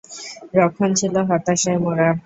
রক্ষণ ছিল হতাশায় মোড়া।